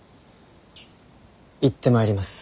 行ってまいります。